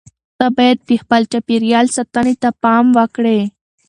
ته باید د خپل چاپیریال ساتنې ته پام وکړې.